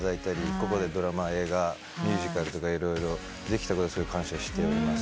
個々でドラマ映画ミュージカルとか色々できたことにすごい感謝しておりますね。